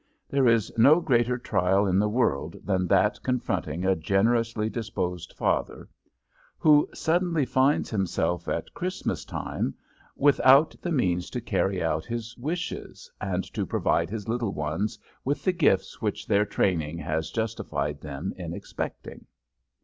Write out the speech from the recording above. There is no greater trial in the world than that confronting a generously disposed father who suddenly finds himself at Christmas time without the means to carry out his wishes and to provide his little ones with the gifts which their training has justified them in expecting.